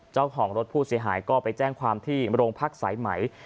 เจ้าของรถผู้เสียหายก็ไปแจ้งความที่โรงพักสายไหม